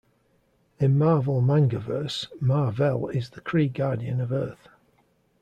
In Marvel Mangaverse Mar-Vell is the Kree guardian of Earth.